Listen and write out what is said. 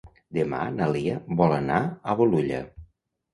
Demà na Lia vol anar a Bolulla.